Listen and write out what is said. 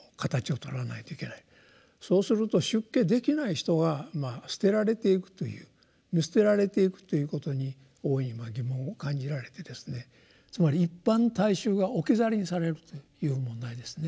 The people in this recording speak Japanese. そうすると出家できない人は捨てられていくという見捨てられていくということに大いに疑問を感じられてですねつまり一般大衆が置き去りにされるという問題ですね。